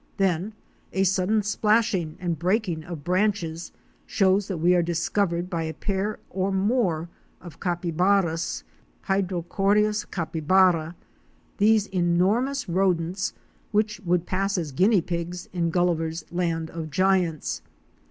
Then a sudden splashing and breaking of branches shows that we are discovered by a pair or more of capybaras (H ydrochoerus capybara), those enormous rodents which would pass as guinea pigs in Gulliver's land of giants.